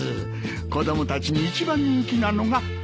子供たちに一番人気なのが卵。